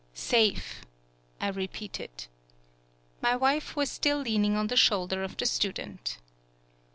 "Safe!" I repeated. My wife was still leaning on the shoulder of the stu dent.